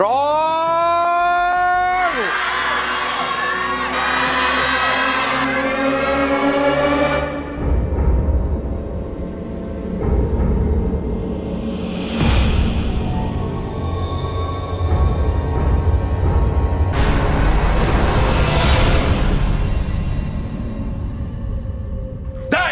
ร้องได้